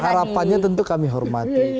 harapannya tentu kami hormati